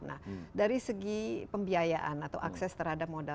nah dari segi pembiayaan atau akses terhadap modal